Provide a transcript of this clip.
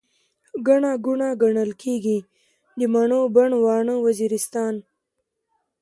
ګڼه ګوڼه، ګڼل کيږي، د مڼو بڼ، واڼه وزيرستان